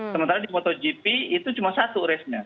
sementara di motogp itu cuma satu race nya